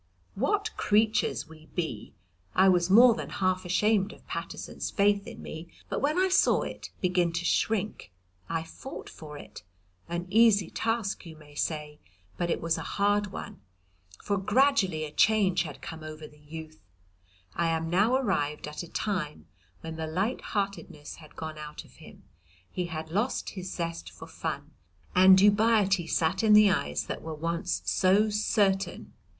What creatures we be! I was more than half ashamed of Paterson's faith in me, but when I saw it begin to shrink I fought for it. An easy task, you may say, but it was a hard one, for gradually a change had come over the youth. I am now arrived at a time when the light heartedness had gone out of him; he had lost his zest for fun, and dubiety sat in the eyes that were once so certain.